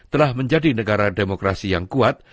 telah menjadi negara demokrasi yang kuat